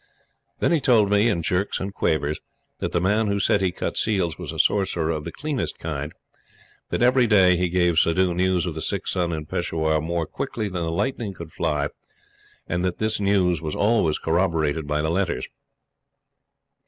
Then he told me, in jerks and quavers, that the man who said he cut seals was a sorcerer of the cleanest kind; that every day he gave Suddhoo news of the sick son in Peshawar more quickly than the lightning could fly, and that this news was always corroborated by the letters.